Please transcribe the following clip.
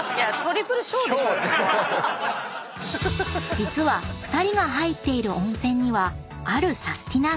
［実は２人が入っている温泉にはあるサスティな！が］